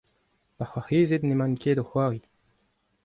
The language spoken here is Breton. Ma c'hoarezed n'emaint ket o c'hoari.